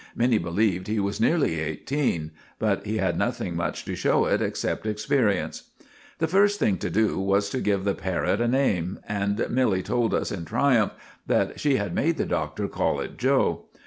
Many believed he was nearly eighteen, but he had nothing much to show it except experience. The first thing to do was to give the parrot a name, and Milly told us in triumph that she had made the Doctor call it 'Joe.